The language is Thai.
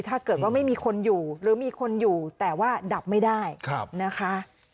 ถ้าเกิดว่าไม่มีคนอยู่หรือมีคนอยู่แต่ว่าดับไม่ได้นะคะ